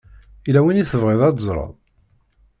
Yella win i tebɣiḍ ad teẓṛeḍ?